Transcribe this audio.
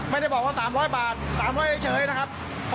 ไม่ได้บอกว่า๓๐๐บาท๓๐๐เฉยนะครับ